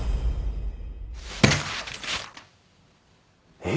えっ？